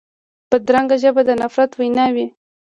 بدرنګه ژبه د نفرت وینا وي